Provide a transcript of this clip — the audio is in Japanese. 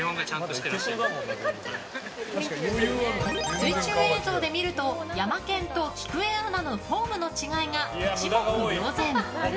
水中映像で見るとヤマケンと、きくえアナのフォームの違いが一目瞭然！